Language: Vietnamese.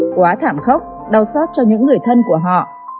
quá thảm khốc đau xót cho những người thân của họ